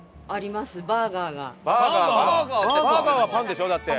バーガーはパンでしょ？だって。